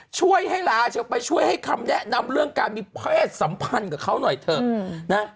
ช่วยให้ลาเธอไปช่วยให้คำแนะนำเรื่องการมีเพศสัมพันธ์กับเขาหน่อยเถอะนะ